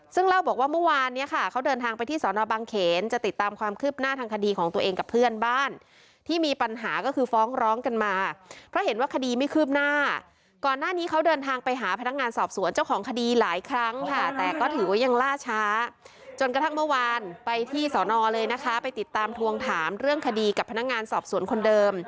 ซึ่งเล่าบอกว่าเมื่อวานเนี่ยค่ะเขาเดินทางไปที่สอนอบางเขนจะติดตามความคืบหน้าทางคดีของตัวเองกับเพื่อนบ้านที่มีปัญหาก็คือฟ้องร้องกันมาเพราะเห็นว่าคดีไม่คืบหน้าก่อนหน้านี้เขาเดินทางไปหาพนักงานสอบสวนเจ้าของคดีหลายครั้งค่ะแต่ก็ถือว่ายังล่าช้าจนกระทั่งเมื่อวานไปที่สอนอเลยนะคะไปติดตามทวงถามเรื่องคดีกับพนักงานสอบสวนคนเดิม